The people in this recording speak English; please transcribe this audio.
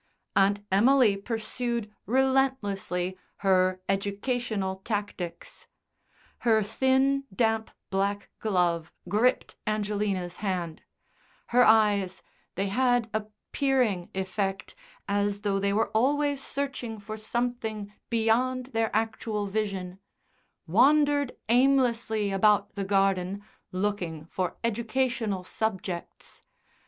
Aunt Emily pursued relentlessly her educational tactics. Her thin, damp, black glove gripped Angelina's hand; her eyes (they had a "peering" effect, as though they were always searching for something beyond their actual vision) wandered aimlessly about the garden, looking for educational subjects.